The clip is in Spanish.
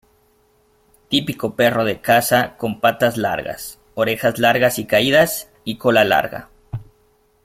Típico perro de caza con patas largas, orejas largas y caídas y cola larga.